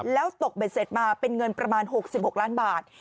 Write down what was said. แล้วตกเบ็ดเสร็จมาเป็นเงินประมาณ๖๖ล้านบาท